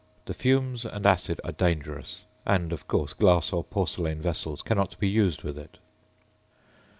The fumes and acid are dangerous, and, of course, glass or porcelain vessels cannot be used with it.